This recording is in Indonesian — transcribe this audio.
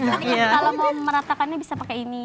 tapi kalau mau meratakannya bisa pakai ini